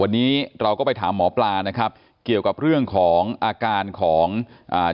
วันนี้เราก็ไปถามหมอปลานะครับเกี่ยวกับเรื่องของอาการของอ่า